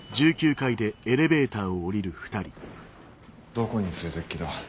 どこに連れてく気だ。